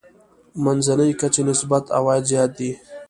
منځنۍ کچې نسبت عوايد زیات دي.